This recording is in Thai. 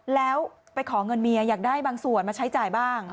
แล้วไปขอเงินเมียอยากได้บางส่วนมาใช้จ่ายบ้าง